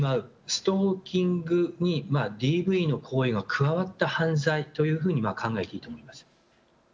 ストーキングにＤＶの行為が加わった犯罪というふうに考えていいと思います。